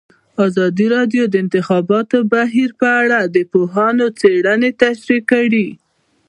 ازادي راډیو د د انتخاباتو بهیر په اړه د پوهانو څېړنې تشریح کړې.